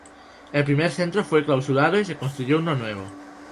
El primer centro fue clausurado y se construyó uno nuevo.